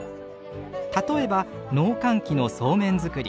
例えば農閑期のそうめん作り。